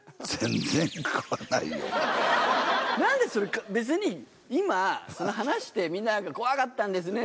何でそれ別に今話してみんな「怖かったんですね」